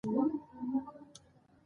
هر راپورتاژ تقریبآ یو هنري اثر دئ.